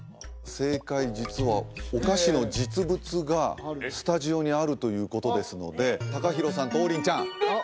正解実はお菓子の実物がスタジオにあるということですのでＴＡＫＡＨＩＲＯさんと王林ちゃんえっ